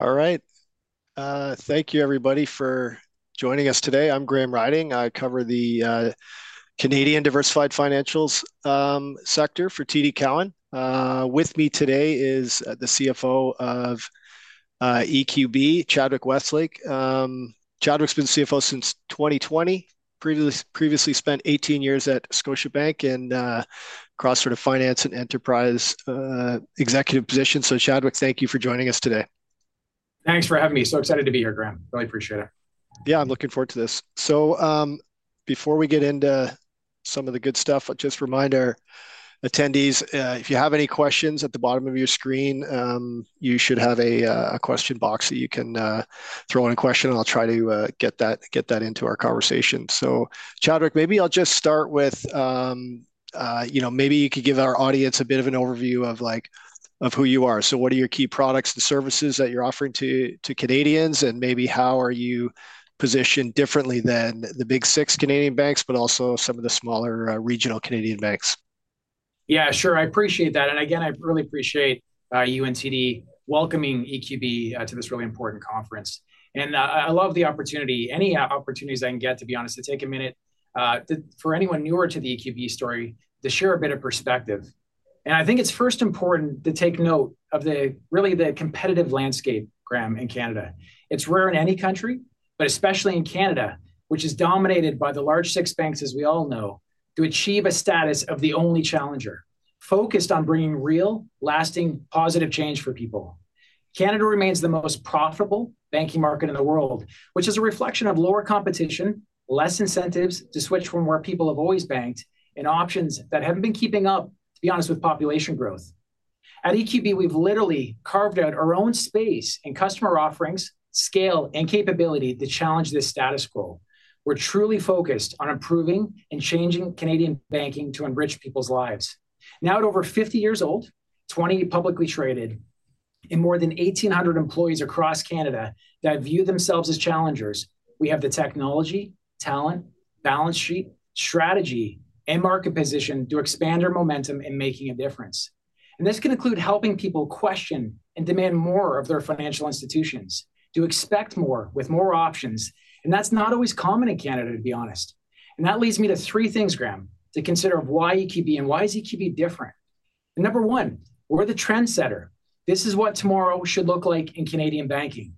All right. Thank you, everybody, for joining us today. I'm Graham Ryding. I cover the Canadian diversified financials sector for TD Cowen. With me today is the CFO of EQB, Chadwick Westlake. Chadwick's been CFO since 2020, previously spent 18 years at Scotiabank and across sort of finance and enterprise executive positions. So, Chadwick, thank you for joining us today. Thanks for having me. So excited to be here, Graham. Really appreciate it. Yeah, I'm looking forward to this. So, before we get into some of the good stuff, I'll just remind our attendees, if you have any questions at the bottom of your screen, you should have a question box that you can throw in a question, and I'll try to get that into our conversation. So, Chadwick, maybe I'll just start with, you know, maybe you could give our audience a bit of an overview of, like, who you are. So, what are your key products and services that you're offering to Canadians, and maybe how are you positioned differently than the big six Canadian banks, but also some of the smaller, regional Canadian banks? Yeah, sure. I appreciate that. And again, I really appreciate you and TD welcoming EQB to this really important conference. And I love the opportunity, any opportunities I can get, to be honest, to take a minute for anyone newer to the EQB story, to share a bit of perspective. And I think it's first important to take note of the really competitive landscape, Graham, in Canada. It's rare in any country, but especially in Canada, which is dominated by the large six banks, as we all know, to achieve a status of the only challenger, focused on bringing real, lasting, positive change for people. Canada remains the most profitable banking market in the world, which is a reflection of lower competition, less incentives to switch from where people have always banked in options that haven't been keeping up, to be honest, with population growth. At EQB, we've literally carved out our own space and customer offerings, scale, and capability to challenge this status quo. We're truly focused on improving and changing Canadian banking to enrich people's lives. Now, at over 50 years old, 20 publicly traded, and more than 1,800 employees across Canada that view themselves as challengers, we have the technology, talent, balance sheet, strategy, and market position to expand our momentum in making a difference. And this can include helping people question and demand more of their financial institutions, to expect more with more options. And that's not always common in Canada, to be honest. And that leads me to three things, Graham, to consider of why EQB, and why is EQB different. And number one, we're the trendsetter. This is what tomorrow should look like in Canadian banking.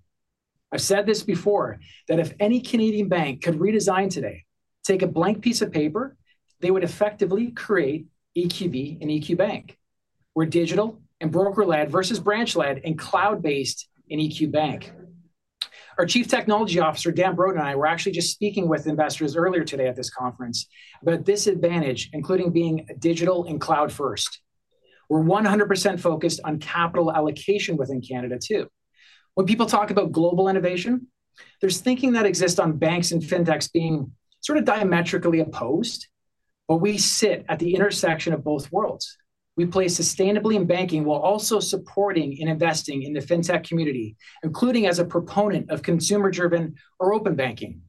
I've said this before, that if any Canadian bank could redesign today, take a blank piece of paper, they would effectively create EQB and EQ Bank. We're digital and broker-led versus branch-led and cloud-based in EQ Bank. Our Chief Technology Officer, Dan Broten, and I were actually just speaking with investors earlier today at this conference about advantages, including being digital and cloud-first. We're 100% focused on capital allocation within Canada, too. When people talk about global innovation, there's thinking that exists on banks and fintechs being sort of diametrically opposed, but we sit at the intersection of both worlds. We play sustainably in banking while also supporting and investing in the fintech community, including as a proponent of consumer-driven or open banking.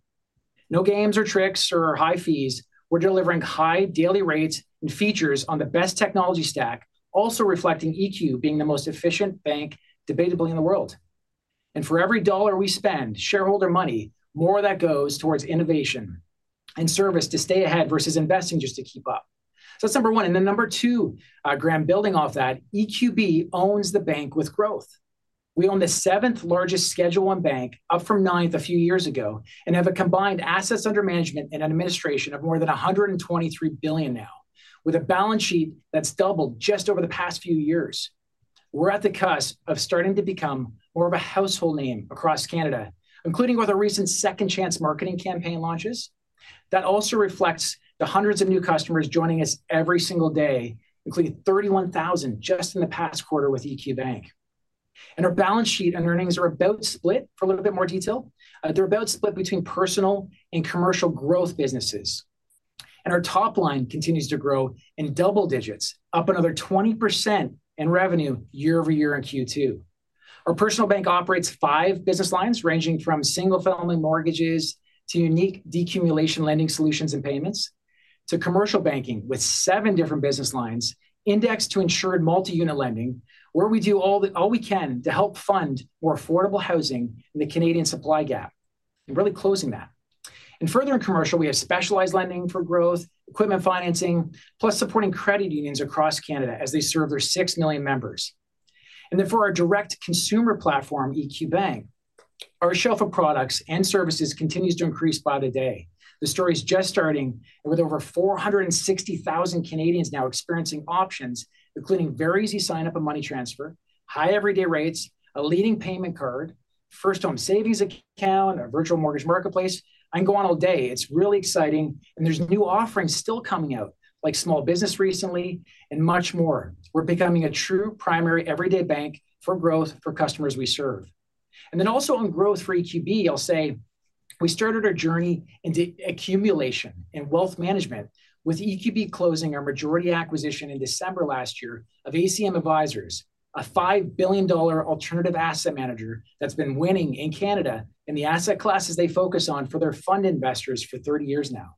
No games or tricks or high fees. We're delivering high daily rates and features on the best technology stack, also reflecting EQ being the most efficient bank debatably in the world. For every dollar we spend, shareholder money, more of that goes towards innovation and service to stay ahead versus investing just to keep up. So that's number one. And then number two, Graham, building off that, EQB owns the bank with growth. We own the seventh largest Schedule I bank, up from ninth a few years ago, and have a combined assets under management and administration of more than 123 billion now, with a balance sheet that's doubled just over the past few years. We're at the cusp of starting to become more of a household name across Canada, including with our recent Second Chance marketing campaign launches. That also reflects the hundreds of new customers joining us every single day, including 31,000 just in the past quarter with EQ Bank. Our balance sheet and earnings are about split; for a little bit more detail, they're about split between personal and commercial growth businesses. Our top line continues to grow in double digits, up another 20% in revenue year-over-year in Q2. Our personal bank operates five business lines ranging from single-family mortgages to unique decumulation lending solutions and payments, to commercial banking with seven different business lines indexed to insured multi-unit lending, where we do all that we can to help fund more affordable housing in the Canadian supply gap, and really closing that. Further in commercial, we have specialized lending for growth, equipment financing, plus supporting credit unions across Canada as they serve their 6 million members. Then for our direct consumer platform, EQ Bank, our shelf of products and services continues to increase by the day. The story's just starting, and with over 460,000 Canadians now experiencing options, including very easy sign-up and money transfer, high everyday rates, a leading payment card, First Home Savings Account, a virtual mortgage marketplace, I can go on all day. It's really exciting. And there's new offerings still coming out, like small business recently, and much more. We're becoming a true primary everyday bank for growth for customers we serve. And then also on growth for EQB, I'll say we started our journey into accumulation and wealth management with EQB closing our majority acquisition in December last year of ACM Advisors, a 5 billion dollar alternative asset manager that's been winning in Canada in the asset classes they focus on for their fund investors for 30 years now.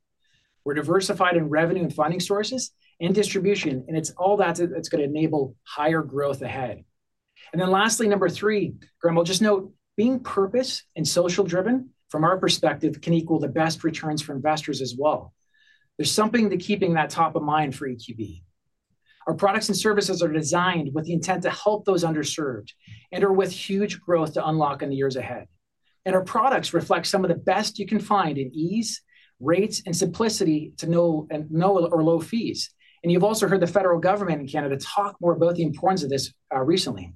We're diversified in revenue and funding sources and distribution, and it's all that's going to enable higher growth ahead. And then lastly, number three, Graham, I'll just note, being purpose and social-driven from our perspective can equal the best returns for investors as well. There's something to keeping that top of mind for EQB. Our products and services are designed with the intent to help those underserved and are with huge growth to unlock in the years ahead. And our products reflect some of the best you can find in ease, rates, and simplicity to no and no or low fees. And you've also heard the federal government in Canada talk more about the importance of this recently.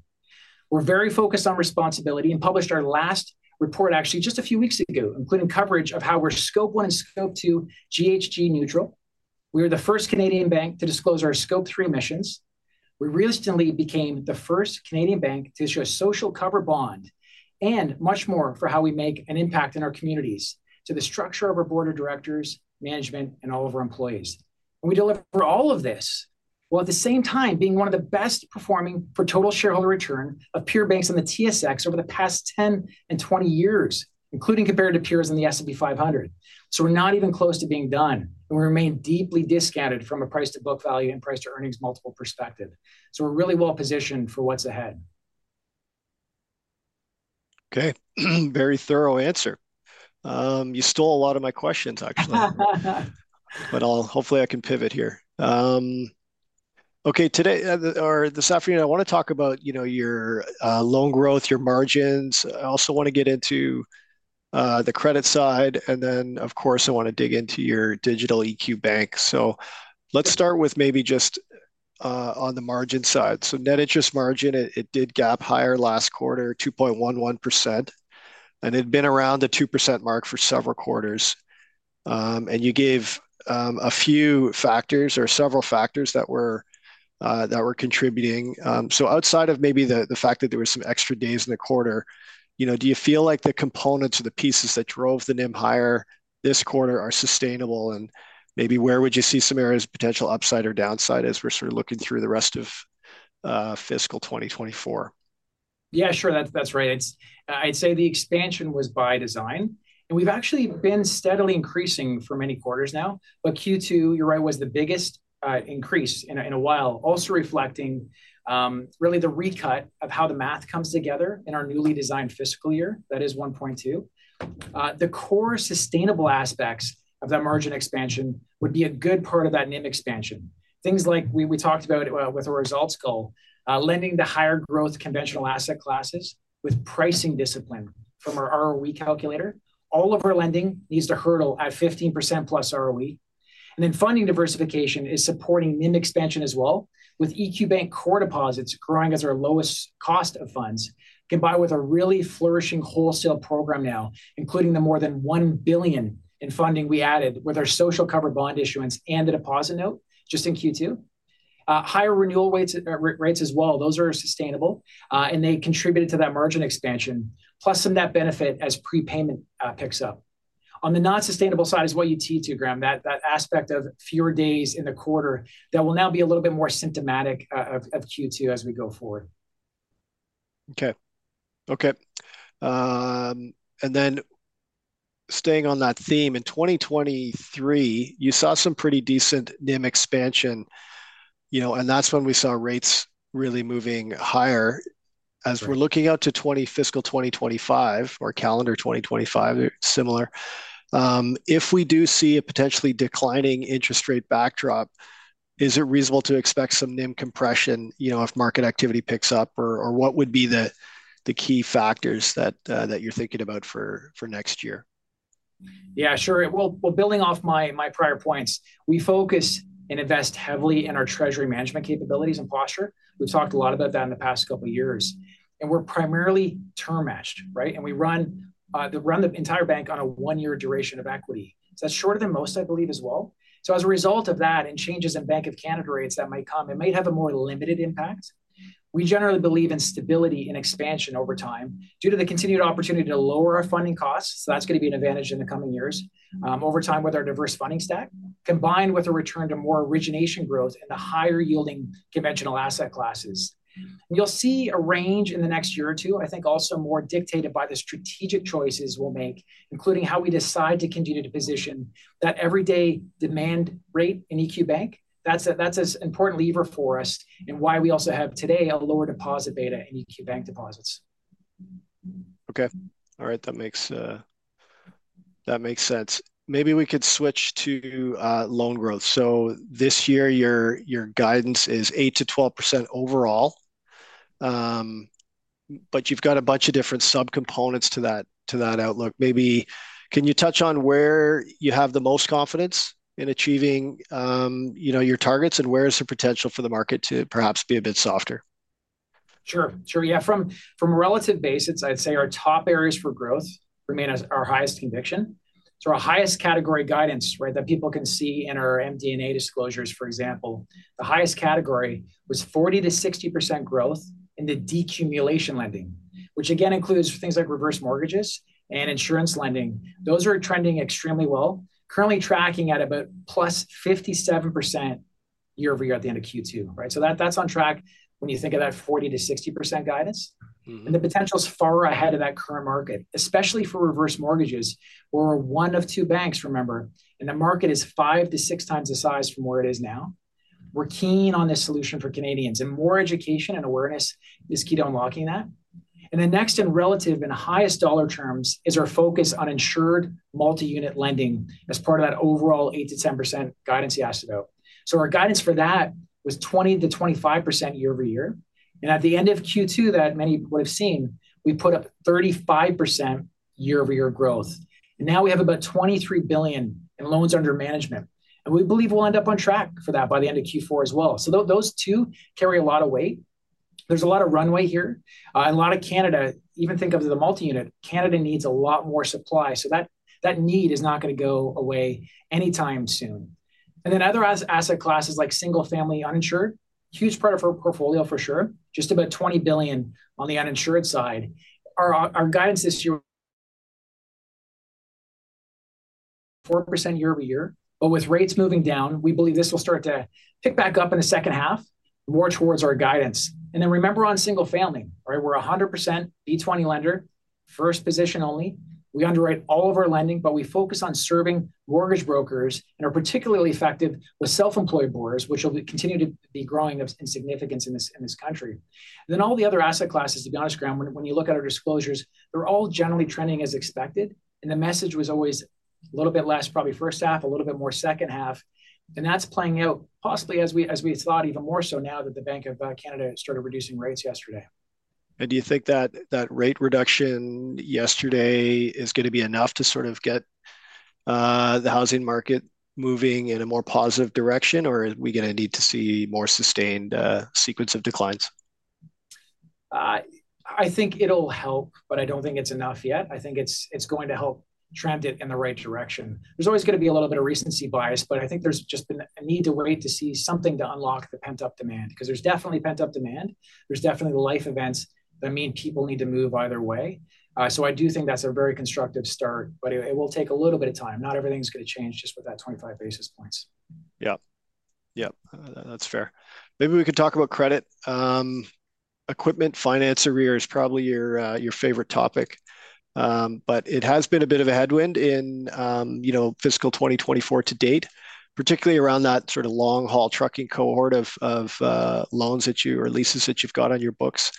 We're very focused on responsibility and published our last report actually just a few weeks ago, including coverage of how we're Scope 1 and Scope 2 GHG neutral. We are the first Canadian bank to disclose our Scope 3 emissions. We recently became the first Canadian bank to issue a social covered bond and much more for how we make an impact in our communities to the structure of our board of directors, management, and all of our employees. We deliver all of this while at the same time being one of the best performing for total shareholder return of peer banks in the TSX over the past 10 and 20 years, including compared to peers in the S&P 500. We're not even close to being done, and we remain deeply discounted from a price-to-book value and price-to-earnings multiple perspective. We're really well positioned for what's ahead. Okay. Very thorough answer. You stole a lot of my questions, actually. But I'll hopefully I can pivot here. Okay, today, or this afternoon, I want to talk about, you know, your loan growth, your margins. I also want to get into the credit side, and then, of course, I want to dig into your digital EQ Bank. So let's start with maybe just on the margin side. So net interest margin, it did gap higher last quarter, 2.11%, and it had been around the 2% mark for several quarters. And you gave a few factors or several factors that were contributing. So outside of maybe the fact that there were some extra days in the quarter, you know, do you feel like the components or the pieces that drove the NIM higher this quarter are sustainable? Maybe where would you see some areas of potential upside or downside as we're sort of looking through the rest of fiscal 2024? Yeah, sure. That's right. It's, I'd say the expansion was by design, and we've actually been steadily increasing for many quarters now. But Q2, you're right, was the biggest increase in a while, also reflecting really the recut of how the math comes together in our newly designed fiscal year. That is 1.2. The core sustainable aspects of that margin expansion would be a good part of that NIM expansion. Things like we talked about with our results goal, lending to higher growth conventional asset classes with pricing discipline from our ROE calculator. All of our lending needs to hurdle at 15% + ROE. And then funding diversification is supporting NIM expansion as well, with EQ Bank core deposits growing as our lowest cost of funds, combined with a really flourishing wholesale program now, including the more than 1 billion in funding we added with our social covered bond issuance and the deposit note just in Q2. Higher renewal rates as well. Those are sustainable, and they contributed to that margin expansion, plus some net benefit as prepayment picks up. On the non-sustainable side is what you teach too, Graham, that that aspect of fewer days in the quarter that will now be a little bit more symptomatic of Q2 as we go forward. Okay. Okay. And then staying on that theme, in 2023, you saw some pretty decent NIM expansion, you know, and that's when we saw rates really moving higher. As we're looking out to fiscal 2025 or calendar 2025, similar, if we do see a potentially declining interest rate backdrop, is it reasonable to expect some NIM compression, you know, if market activity picks up, or what would be the key factors that you're thinking about for next year? Yeah, sure. Well, building off my prior points, we focus and invest heavily in our treasury management capabilities and posture. We've talked a lot about that in the past couple of years. And we're primarily term matched, right? And we run the entire bank on a one-year duration of equity. So that's shorter than most, I believe, as well. So as a result of that and changes in Bank of Canada rates that might come, it might have a more limited impact. We generally believe in stability and expansion over time due to the continued opportunity to lower our funding costs. So that's going to be an advantage in the coming years, over time with our diverse funding stack, combined with a return to more origination growth in the higher-yielding conventional asset classes. You'll see a range in the next year or two, I think also more dictated by the strategic choices we'll make, including how we decide to continue to position that everyday demand rate in EQ Bank. That's an important lever for us and why we also have today a lower deposit beta in EQ Bank deposits. Okay. All right. That makes, that makes sense. Maybe we could switch to loan growth. So this year, your guidance is 8%-12% overall, but you've got a bunch of different sub-components to that outlook. Maybe can you touch on where you have the most confidence in achieving, you know, your targets, and where is the potential for the market to perhaps be a bit softer? Sure. Sure. Yeah. From relative basis, I'd say our top areas for growth remain as our highest conviction. So our highest category guidance, right, that people can see in our MD&A disclosures, for example, the highest category was 40%-60% growth in the decumulation lending, which again includes things like reverse mortgages and insurance lending. Those are trending extremely well, currently tracking at about +57% year-over-year at the end of Q2, right? So that's on track when you think of that 40%-60% guidance. And the potential is far ahead of that current market, especially for reverse mortgages. We're one of two banks, remember, and the market is 5-6 times the size from where it is now. We're keen on this solution for Canadians, and more education and awareness is key to unlocking that. The next in relative and highest dollar terms is our focus on insured multi-unit lending as part of that overall 8%-10% guidance you asked about. So our guidance for that was 20%-25% year-over-year. And at the end of Q2 that many would have seen, we put up 35% year-over-year growth. And now we have about 23 billion in loans under management. And we believe we'll end up on track for that by the end of Q4 as well. So those two carry a lot of weight. There's a lot of runway here. A lot of Canada, even think of the multi-unit, Canada needs a lot more supply. So that need is not going to go away anytime soon. And then other asset classes like single-family uninsured, huge part of our portfolio for sure, just about 20 billion on the uninsured side. Our guidance this year is 4% year-over-year, but with rates moving down, we believe this will start to pick back up in the second half more towards our guidance. And then remember on single-family, right? We're a 100% B-20 lender, first position only. We underwrite all of our lending, but we focus on serving mortgage brokers and are particularly effective with self-employed borrowers, which will continue to be growing in significance in this country. Then all the other asset classes, to be honest, Graham, when you look at our disclosures, they're all generally trending as expected. And the message was always a little bit less probably first half, a little bit more second half. And that's playing out possibly as we thought even more so now that the Bank of Canada started reducing rates yesterday. Do you think that that rate reduction yesterday is going to be enough to sort of get the housing market moving in a more positive direction, or are we going to need to see more sustained sequence of declines? I think it'll help, but I don't think it's enough yet. I think it's going to help trend it in the right direction. There's always going to be a little bit of recency bias, but I think there's just been a need to wait to see something to unlock the pent-up demand, because there's definitely pent-up demand. There's definitely the life events that mean people need to move either way. So I do think that's a very constructive start, but it will take a little bit of time. Not everything's going to change just with that 25 basis points. Yeah. Yeah, that's fair. Maybe we could talk about credit. Equipment finance arrears is probably your, your favorite topic. But it has been a bit of a headwind in, you know, fiscal 2024 to date, particularly around that sort of long-haul trucking cohort of loans or leases that you've got on your books.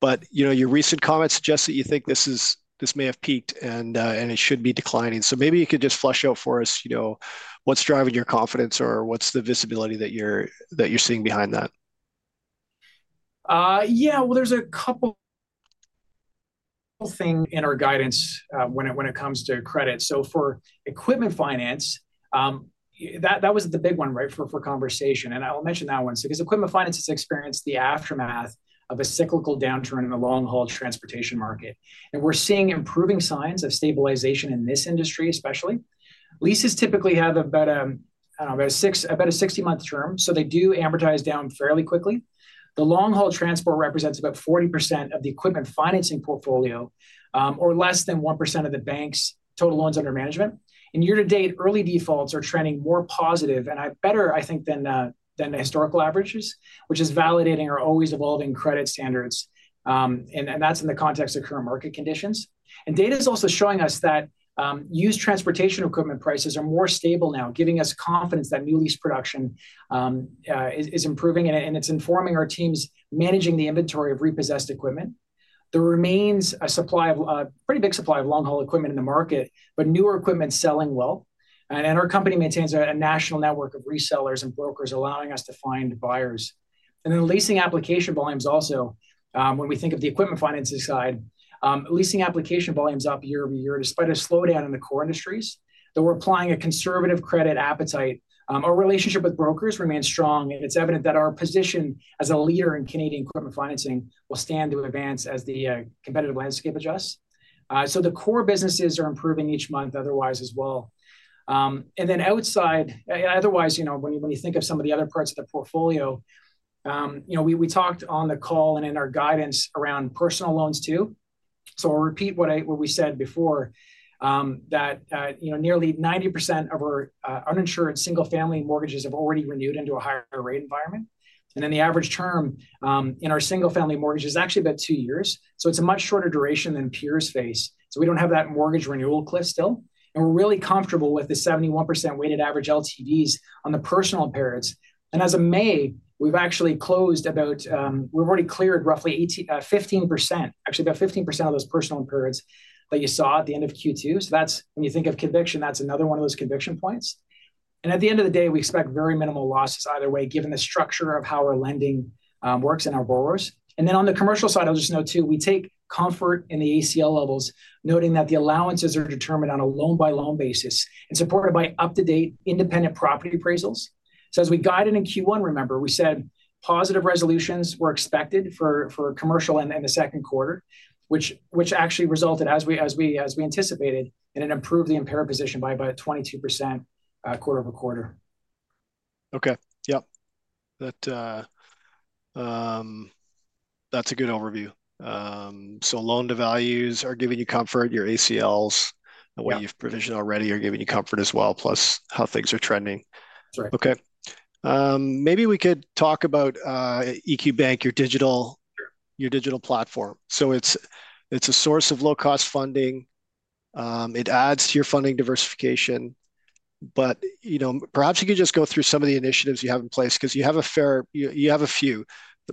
But, you know, your recent comments suggest that you think this is, this may have peaked and it should be declining. So maybe you could just flesh out for us, you know, what's driving your confidence or what's the visibility that you're seeing behind that? Yeah, well, there's a couple of things in our guidance when it comes to credit. So for equipment finance, that was the big one, right, for conversation. And I'll mention that one. So because equipment finance has experienced the aftermath of a cyclical downturn in the long-haul transportation market. And we're seeing improving signs of stabilization in this industry, especially. Leases typically have about a, I don't know, about a 60-month term, so they do amortize down fairly quickly. The long-haul transport represents about 40% of the equipment financing portfolio, or less than 1% of the bank's total loans under management. And year to date, early defaults are trending more positive and better, I think, than the historical averages, which is validating our always evolving credit standards. And that's in the context of current market conditions. Data is also showing us that used transportation equipment prices are more stable now, giving us confidence that new lease production is improving, and it's informing our teams managing the inventory of repossessed equipment. There remains a supply of a pretty big supply of long-haul equipment in the market, but newer equipment is selling well. Our company maintains a national network of resellers and brokers allowing us to find buyers. Then leasing application volumes also, when we think of the equipment financing side, leasing application volumes up year-over-year despite a slowdown in the core industries. Though we're applying a conservative credit appetite, our relationship with brokers remains strong. It's evident that our position as a leader in Canadian equipment financing will stand to advance as the competitive landscape adjusts. So the core businesses are improving each month otherwise as well. And then outside, otherwise, you know, when you think of some of the other parts of the portfolio, you know, we talked on the call and in our guidance around personal loans too. So I'll repeat what we said before, that, you know, nearly 90% of our uninsured single-family mortgages have already renewed into a higher rate environment. And then the average term in our single-family mortgage is actually about two years. So it's a much shorter duration than peers face. So we don't have that mortgage renewal cliff still. And we're really comfortable with the 71% weighted average LTVs on the personal impaireds. And as of May, we've actually closed about. We've already cleared roughly 18%, 15%, actually about 15% of those personal impaireds that you saw at the end of Q2. So that's, when you think of conviction, that's another one of those conviction points. And at the end of the day, we expect very minimal losses either way, given the structure of how our lending works in our borrowers. And then on the commercial side, I'll just note too, we take comfort in the ACL levels, noting that the allowances are determined on a loan-by-loan basis and supported by up-to-date independent property appraisals. So as we guided in Q1, remember, we said positive resolutions were expected for commercial in the second quarter, which actually resulted, as we anticipated, in an improved impaired position by about 22% quarter-over-quarter. Okay. Yeah. That, that's a good overview. Loan-to-values are giving you comfort, your ACLs, the way you've provisioned already are giving you comfort as well, plus how things are trending. That's right. Okay. Maybe we could talk about EQ Bank, your digital your digital platform. So it's it's a source of low-cost funding. It adds to your funding diversification. But, you know, perhaps you could just go through some of the initiatives you have in place, because you have a fair you have a few,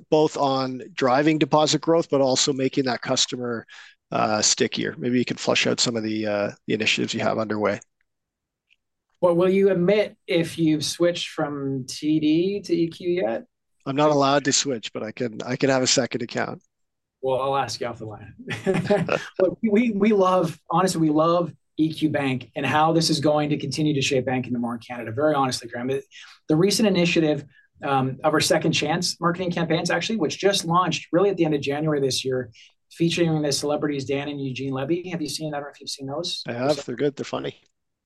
both on driving deposit growth, but also making that customer stickier. Maybe you could flesh out some of the, the initiatives you have underway. Well, will you admit if you've switched from TD to EQ yet? I'm not allowed to switch, but I can have a second account. Well, I'll ask you off the line. But we we love, honestly, we love EQ Bank and how this is going to continue to shape banking tomorrow in Canada. Very honestly, Graham, the recent initiative of our Second Chance marketing campaigns, actually, which just launched really at the end of January this year, featuring the celebrities Dan and Eugene Levy. Have you seen that? I don't know if you've seen those. I have. They're good. They're funny.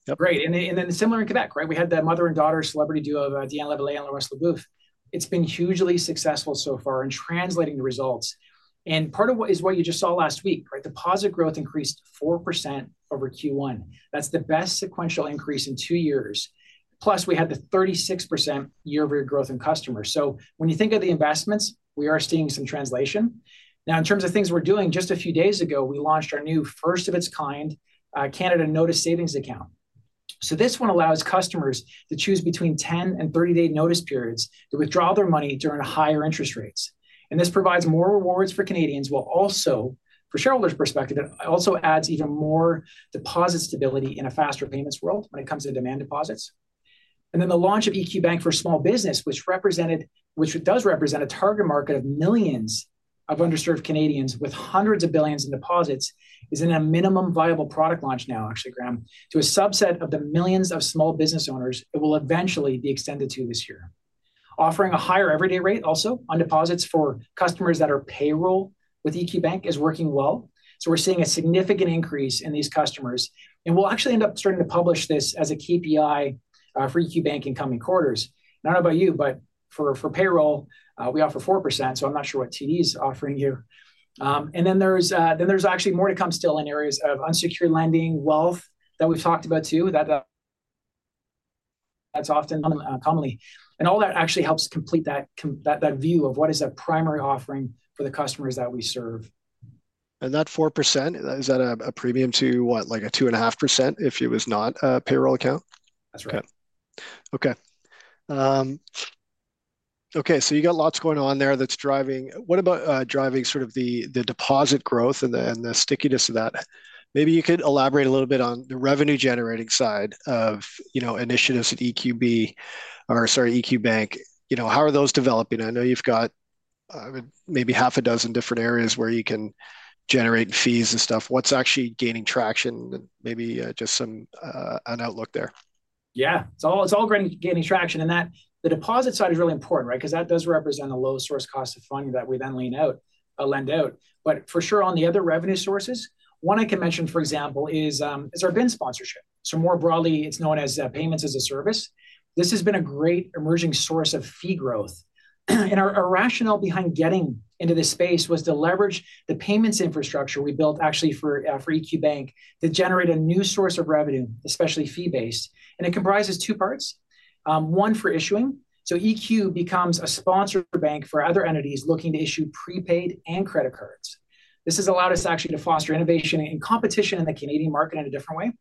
Yep. Great. Then similar in Quebec, right? We had the mother and daughter celebrity duo of Diane Lavallée and Laurence Leboeuf. It's been hugely successful so far in translating the results. And part of what is what you just saw last week, right? Deposit growth increased 4% over Q1. That's the best sequential increase in two years. Plus, we had the 36% year-over-year growth in customers. So when you think of the investments, we are seeing some translation. Now, in terms of things we're doing, just a few days ago, we launched our new first-of-its-kind in Canada Notice Savings Account. So this one allows customers to choose between 10- and 30-day notice periods to withdraw their money during higher interest rates. And this provides more rewards for Canadians while also, from a shareholder's perspective, it also adds even more deposit stability in a faster payments world when it comes to demand deposits. And then the launch of EQ Bank for Small Business, which represented, which does represent a target market of millions of underserved Canadians with hundreds of billions CAD in deposits, is in a minimum viable product launch now, actually, Graham, to a subset of the millions of small business owners it will eventually be extended to this year. Offering a higher everyday rate also on deposits for customers that are payroll with EQ Bank is working well. So we're seeing a significant increase in these customers. And we'll actually end up starting to publish this as a KPI for EQ Bank in coming quarters. Not about you, but for payroll, we offer 4%. So I'm not sure what TD is offering here. And then there's actually more to come still in areas of unsecured lending, wealth that we've talked about too. That's often commonly. And all that actually helps complete that view of what is a primary offering for the customers that we serve. That 4%, is that a premium to what, like a 2.5% if it was not a payroll account? That's right. Okay. Okay. Okay. So you got lots going on there that's driving. What about driving sort of the deposit growth and the stickiness of that? Maybe you could elaborate a little bit on the revenue-generating side of, you know, initiatives at EQB or, sorry, EQ Bank. You know, how are those developing? I know you've got maybe half a dozen different areas where you can generate fees and stuff. What's actually gaining traction and maybe just some an outlook there? Yeah, it's all gaining traction. And that the deposit side is really important, right? Because that does represent a low source cost of funding that we then lend out. But for sure, on the other revenue sources, one I can mention, for example, is our BIN Sponsorship. So more broadly, it's known as Payments as a Service. This has been a great emerging source of fee growth. And our rationale behind getting into this space was to leverage the payments infrastructure we built actually for EQ Bank to generate a new source of revenue, especially fee-based. And it comprises two parts. One for issuing. So EQ Bank becomes a sponsor bank for other entities looking to issue prepaid and credit cards. This has allowed us actually to foster innovation and competition in the Canadian market in a different way.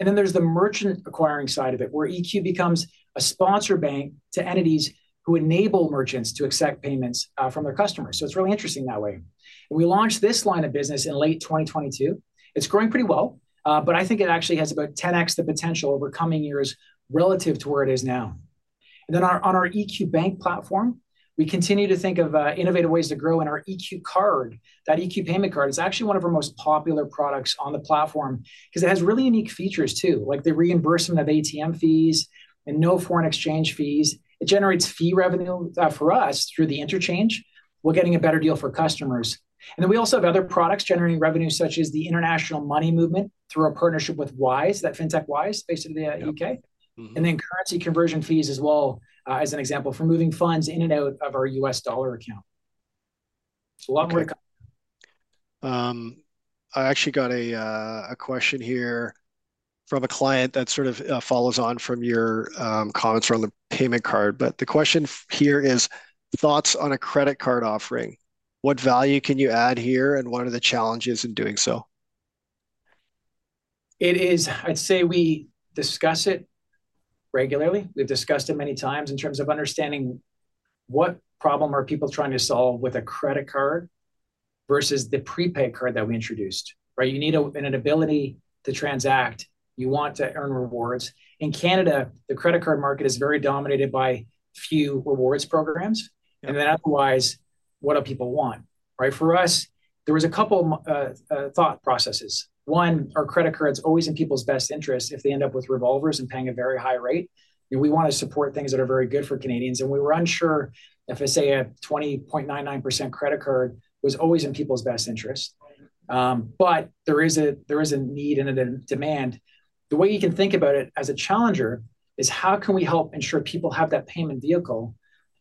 And then there's the merchant acquiring side of it, where EQ becomes a sponsor bank to entities who enable merchants to accept payments from their customers. So it's really interesting that way. We launched this line of business in late 2022. It's growing pretty well, but I think it actually has about 10x the potential over coming years relative to where it is now. And then on our EQ Bank platform, we continue to think of innovative ways to grow in our EQ Card, that EQ payment card. It's actually one of our most popular products on the platform because it has really unique features too, like the reimbursement of ATM fees and no foreign exchange fees. It generates fee revenue for us through the interchange. We're getting a better deal for customers. And then we also have other products generating revenue, such as the international money movement through our partnership with Wise, that fintech Wise based in the U.K. And then currency conversion fees as well as an example for moving funds in and out of our U.S. dollar account. So a lot more to come. I actually got a question here from a client that sort of follows on from your comments around the payment card. But the question here is, thoughts on a credit card offering? What value can you add here and what are the challenges in doing so? It is, I'd say we discuss it regularly. We've discussed it many times in terms of understanding what problem are people trying to solve with a credit card versus the prepaid card that we introduced, right? You need an ability to transact. You want to earn rewards. In Canada, the credit card market is very dominated by few rewards programs. And then otherwise, what do people want, right? For us, there was a couple of thought processes. One, our credit card is always in people's best interest if they end up with revolvers and paying a very high rate. And we want to support things that are very good for Canadians. And we were unsure if, say, a 20.99% credit card was always in people's best interest. But there is a need and a demand. The way you can think about it as a challenger is how can we help ensure people have that payment vehicle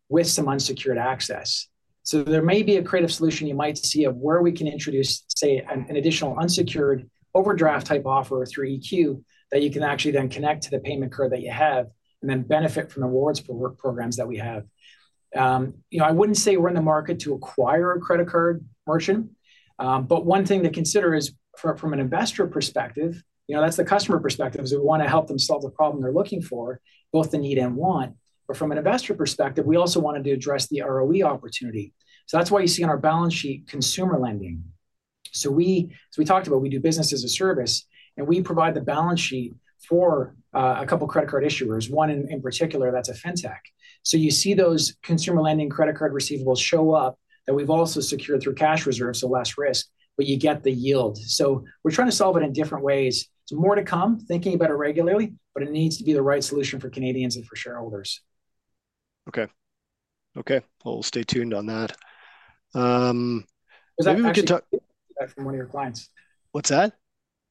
with some unsecured access? So there may be a creative solution you might see of where we can introduce, say, an additional unsecured overdraft type offer through EQ that you can actually then connect to the payment card that you have and then benefit from the rewards programs that we have. You know, I wouldn't say we're in the market to acquire a credit card merchant. But one thing to consider is from an investor perspective, you know, that's the customer perspective, is we want to help them solve the problem they're looking for, both the need and want. But from an investor perspective, we also wanted to address the ROE opportunity. So that's why you see on our balance sheet consumer lending. So, as we talked about, we do Business as a Service, and we provide the balance sheet for a couple of credit card issuers, one in particular that's a fintech. So you see those consumer lending credit card receivables show up that we've also secured through cash reserves to less risk, but you get the yield. So we're trying to solve it in different ways. It's more to come, thinking about it regularly, but it needs to be the right solution for Canadians and for shareholders. Okay. Okay. Well, we'll stay tuned on that. Maybe we could talk from one of your clients. What's that?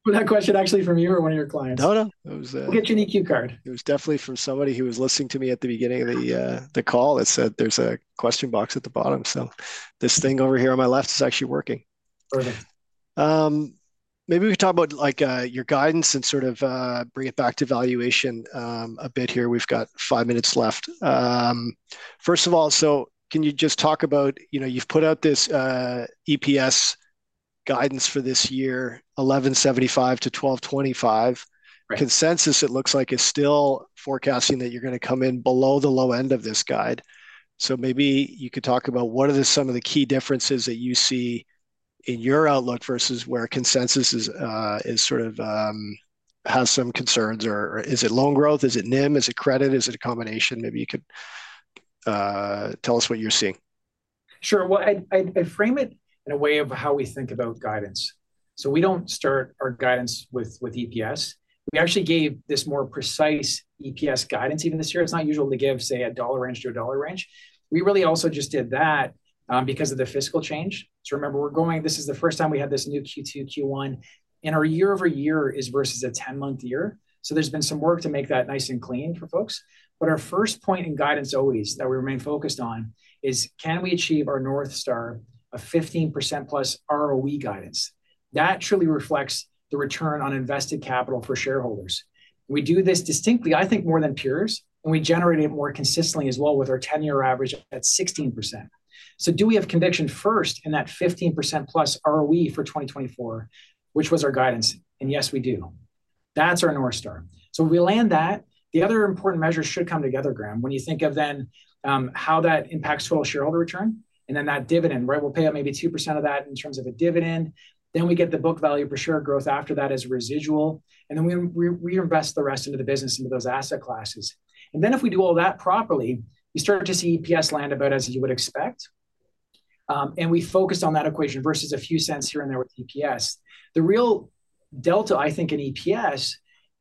Was that question actually from you or one of your clients? No, no. It was. We'll get you an EQ Card. It was definitely from somebody who was listening to me at the beginning of the call that said there's a question box at the bottom. So this thing over here on my left is actually working. Perfect. Maybe we could talk about, like, your guidance and sort of bring it back to valuation a bit here. We've got five minutes left. First of all, so can you just talk about, you know, you've put out this EPS guidance for this year, 11.75-12.25. Consensus, it looks like, is still forecasting that you're going to come in below the low end of this guide. So maybe you could talk about what are some of the key differences that you see in your outlook versus where consensus is sort of has some concerns? Or is it loan growth? Is it NIM? Is it credit? Is it a combination? Maybe you could tell us what you're seeing. Sure. Well, I frame it in a way of how we think about guidance. So we don't start our guidance with EPS. We actually gave this more precise EPS guidance even this year. It's not usual to give, say, a dollar range to a dollar range. We really also just did that because of the fiscal change. So remember, we're going this is the first time we had this new Q2, Q1, and our year-over-year is versus a 10-month year. So there's been some work to make that nice and clean for folks. But our first point in guidance always that we remain focused on is, can we achieve our North Star, a 15%+ ROE guidance? That truly reflects the return on invested capital for shareholders. We do this distinctly, I think, more than peers, and we generate it more consistently as well with our 10-year average at 16%. So do we have conviction first in that 15%+ ROE for 2024, which was our guidance? And yes, we do. That's our North Star. So we land that. The other important measures should come together, Graham, when you think of then how that impacts total shareholder return and then that dividend, right? We'll pay out maybe 2% of that in terms of a dividend. Then we get the book value per share growth after that as a residual. And then we reinvest the rest into the business, into those asset classes. And then if we do all that properly, we start to see EPS land about as you would expect. And we focus on that equation versus a few cents here and there with EPS. The real delta, I think, in EPS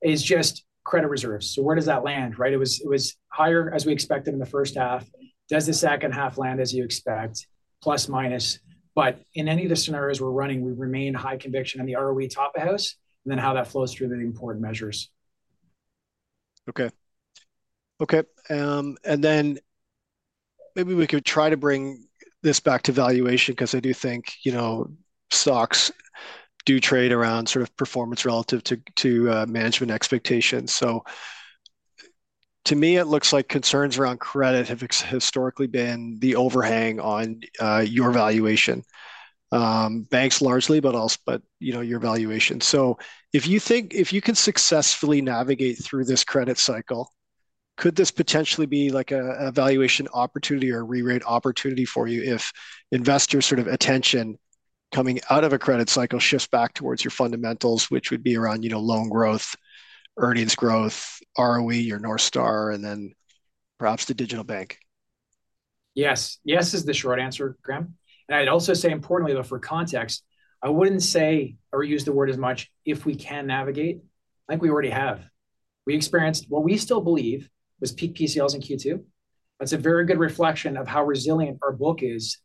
is just credit reserves. So where does that land, right? It was higher as we expected in the first half. Does the second half land as you expect, plus minus? But in any of the scenarios we're running, we remain high conviction on the ROE top of house and then how that flows through the important measures. Okay. Okay. And then maybe we could try to bring this back to valuation because I do think, you know, stocks do trade around sort of performance relative to management expectations. So to me, it looks like concerns around credit have historically been the overhang on your valuation, banks largely, but also, but you know, your valuation. So if you think if you can successfully navigate through this credit cycle, could this potentially be like a valuation opportunity or a re-rate opportunity for you if investors' sort of attention coming out of a credit cycle shifts back towards your fundamentals, which would be around, you know, loan growth, earnings growth, ROE, your North Star, and then perhaps the digital bank? Yes. Yes is the short answer, Graham. And I'd also say, importantly, though, for context, I wouldn't say or use the word as much if we can navigate like we already have. We experienced what we still believe was peak PCLs in Q2. That's a very good reflection of how resilient our book is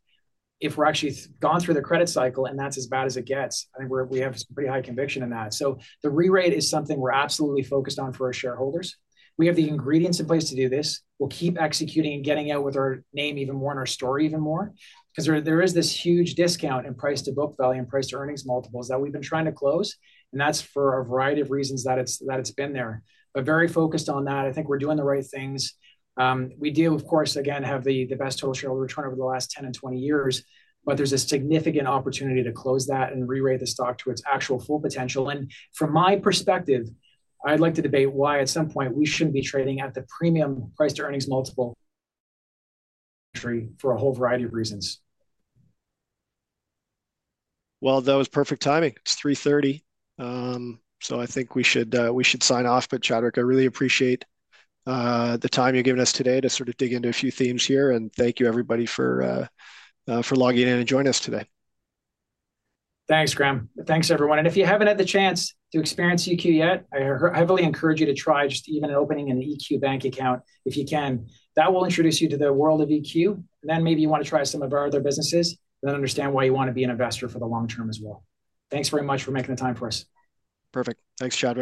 if we're actually gone through the credit cycle and that's as bad as it gets. I think we have some pretty high conviction in that. So the re-rate is something we're absolutely focused on for our shareholders. We have the ingredients in place to do this. We'll keep executing and getting out with our name even more and our story even more because there is this huge discount in price to book value and price to earnings multiples that we've been trying to close. And that's for a variety of reasons that it's been there. Very focused on that. I think we're doing the right things. We do, of course, again, have the best total shareholder return over the last 10 and 20 years, but there's a significant opportunity to close that and re-rate the stock to its actual full potential. From my perspective, I'd like to debate why at some point we shouldn't be trading at the premium price to earnings multiple for a whole variety of reasons. Well, that was perfect timing. It's 3:30 P.M. So I think we should sign off, but Chadwick, I really appreciate the time you've given us today to sort of dig into a few themes here. And thank you, everybody, for logging in and joining us today. Thanks, Graham. Thanks, everyone. If you haven't had the chance to experience EQ yet, I heavily encourage you to try just even opening an EQ Bank account if you can. That will introduce you to the world of EQ. And then maybe you want to try some of our other businesses and then understand why you want to be an investor for the long term as well. Thanks very much for making the time for us. Perfect. Thanks, Chad.